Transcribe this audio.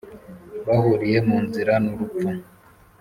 bahuriye mu nzira n'urupfu,